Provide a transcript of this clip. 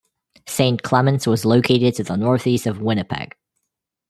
Saint Clements was located to the northeast of Winnipeg.